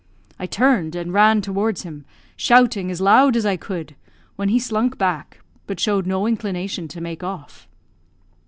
I turned, and ran towards him, shouting as loud as I could, when he slunk back, but showed no inclination to make off.